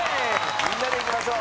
みんなでいきましょう。